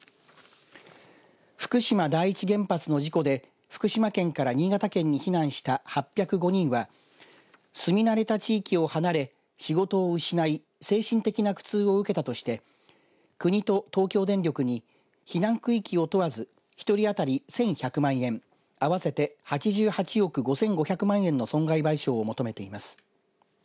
福島第一原発の事故で福島県から新潟県に避難した８０５人は住み慣れた地域を離れ仕事を失い精神的な苦痛を受けたとして国と東京電力に避難区域を問わず１人あたり１１００万円合わせて８８億５５００万円の損害賠償を求めています。